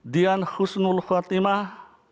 dian husnul khatimah